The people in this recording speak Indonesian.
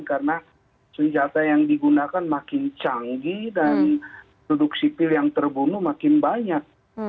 karena senjata yang digunakan makin canggih dan produk sipil yang terbunuh makin banyak